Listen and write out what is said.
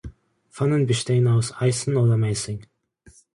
Pfannen bestehen aus Eisen oder Messing.